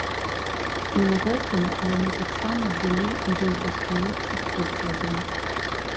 І ў гэтым яны таксама былі дый застаюцца прыкладам.